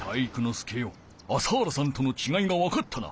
介よ朝原さんとのちがいがわかったな。